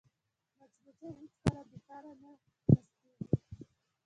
مچمچۍ هېڅکله بیکاره نه ناستېږي